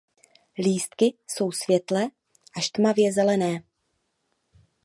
Lístky jsou světle až tmavě zelené.